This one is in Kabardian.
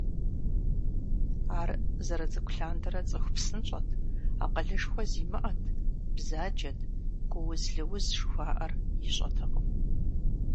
Ар зэрыцӏыкӏу лъандэрэ цӀыху псынщӀэт, акъылышхуэ зимыӀэт, бзаджэт, гууз-лыуз жыхуаӏэр ищӏэтэкъым.